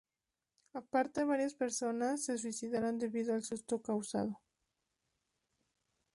Aparte varias personas se suicidaron debido al susto causado.